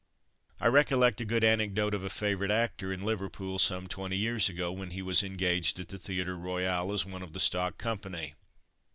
I recollect a good anecdote of a favourite actor in Liverpool some twenty years ago, when he was engaged at the Theatre Royal as one of the stock company.